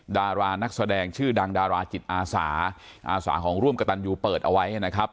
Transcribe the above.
ดารานักแสดงชื่อดังดาราจิตอาสาอาสาของร่วมกระตันยูเปิดเอาไว้นะครับ